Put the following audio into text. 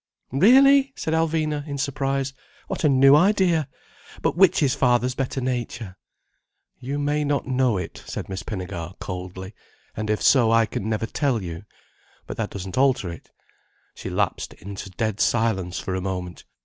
"Really!" said Alvina, in surprise. "What a new idea! But which is father's better nature?" "You may not know it," said Miss Pinnegar coldly, "and if so, I can never tell you. But that doesn't alter it." She lapsed into dead silence for a moment.